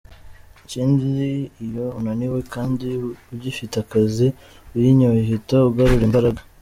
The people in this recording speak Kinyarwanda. Ikindi iyo unaniwe kandi ugifite akazi, uyinyoye uhita ugarura imbaraga”.